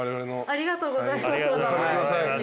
ありがとうございます。